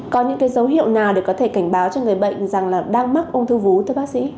có những dấu hiệu nào để có thể cảnh báo cho người bệnh rằng là đang mắc ung thư vú thưa bác sĩ